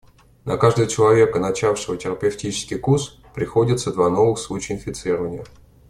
На каждого человека, начавшего терапевтический курс, приходятся два новых случая инфицирования.